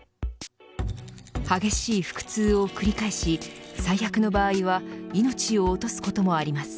激しい腹痛を繰り返し最悪の場合は命を落とすこともあります。